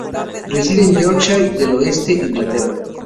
Reside en Yorkshire del Oeste, Inglaterra.